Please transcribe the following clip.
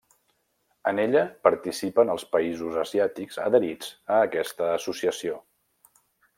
En ella participen els països asiàtics adherits a aquesta associació.